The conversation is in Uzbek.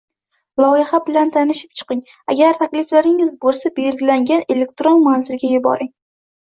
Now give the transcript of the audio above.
Loyiha bilan tanishib chiqing agar takliflaringiz boʻlsa belgilangan elektron manzilga yuboring.